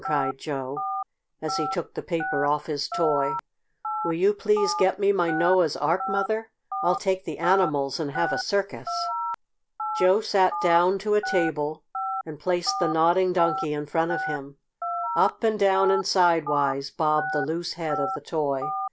cried Joe, as he took the paper off his toy. "Will you please get me my Noah's Ark, Mother? I'll take the animals and have a circus." Joe sat down to a table and placed the Nodding Donkey in front of him. Up and down and sidewise bobbed the loose head of the toy.